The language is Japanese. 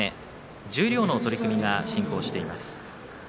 十両の取組が進行しています。